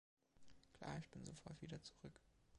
Klar, ich bin sofort wieder zurück.